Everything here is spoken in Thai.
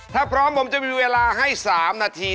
ถ้าพร้อมผมจะมีเวลาให้๓นาที